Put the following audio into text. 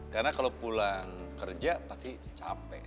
karena kalau pulang kerja pasti capek